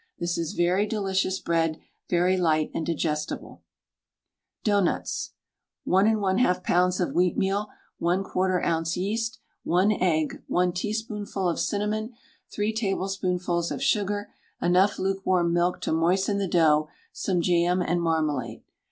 This is very delicious bread, very light and digestible. DOUGHNUTS. 1 1/2 lbs. of wheatmeal, 1/4 oz. yeast, 1 egg, 1 teaspoonful of cinnamon, 3 tablespoonfuls of sugar, enough lukewarm milk to moisten the dough, some jam and marmalade.